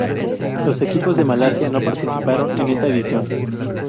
Los equipos de Malasia no participaron en esta edición.